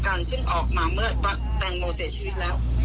เขาได้มอบอะไรให้อิสเตอร์อะไรอย่างนี้คุณแม่ไม่รู้